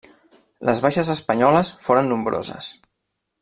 Les baixes espanyoles foren nombroses.